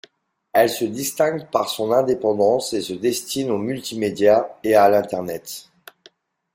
Elle se distingue par son indépendance et se destine au multimédia et à l'Internet.